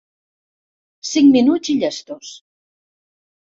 Cinc minuts i llestos.